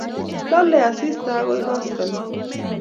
Lolei asista agoi koskoleny